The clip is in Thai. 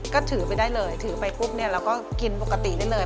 ก็ถือไปได้เลยถือไปปุ๊บเนี่ยเราก็กินปกติได้เลย